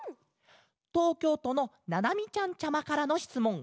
とうきょうとのななみちゃんちゃまからのしつもん。